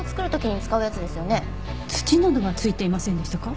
土などは付いていませんでしたか？